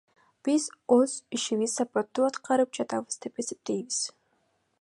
Биз өз ишибизди сапаттуу аткарып жатабыз деп эсептейбиз.